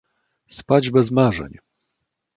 "spać bez marzeń!"